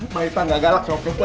maita gak galak soal perempuan